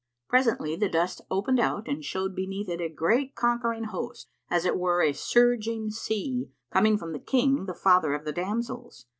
Presently the dust opened out and showed beneath it a great conquering host, as it were a surging sea, coming from the King, the father of the damsels.